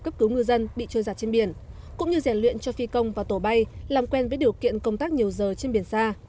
cấp cứu ngư dân bị trôi giặt trên biển cũng như rèn luyện cho phi công và tổ bay làm quen với điều kiện công tác nhiều giờ trên biển xa